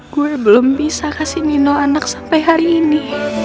gue belum bisa kasih nino anak sampai hari ini